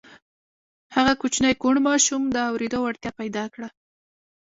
هغه کوچني کوڼ ماشوم د اورېدو وړتيا پيدا کړه.